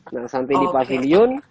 nah sampai di pavilion